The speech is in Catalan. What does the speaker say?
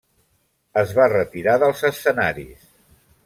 Es va retirar dels escenaris.